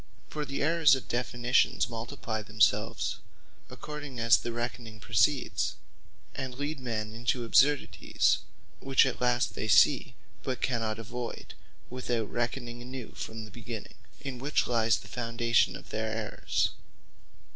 For the errours of Definitions multiply themselves, according as the reckoning proceeds; and lead men into absurdities, which at last they see, but cannot avoyd, without reckoning anew from the beginning; in which lyes the foundation of their errours.